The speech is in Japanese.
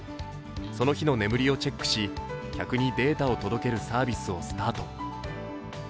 その日の眠りをチェックし、客にデータを届けるサービスをスタート。